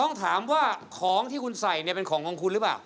ต้องถามว่าของที่คุณใส่เนี่ยเป็นของของคุณหรือเปล่า